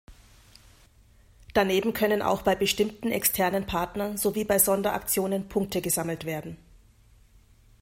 Daneben können auch bei bestimmten externen Partnern sowie bei Sonderaktionen Punkte gesammelt werden.